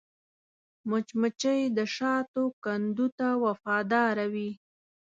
مچمچۍ د شاتو کندو ته وفاداره وي